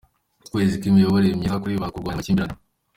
Ukwezi kw’imiyoborere myiza kuribanda ku kurwanya amakimbirane